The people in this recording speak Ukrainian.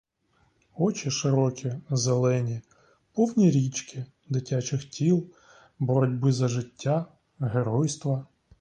Очі широкі, зелені, повні річки, дитячих тіл, боротьби за життя, геройства.